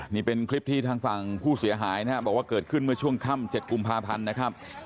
นี่เป็นคลิปที่ทางฝั่งผู้เสียหายนะครับบอกว่าเกิดขึ้นเมื่อช่วงค่ำ๗กุมภาพันธ์นะครับ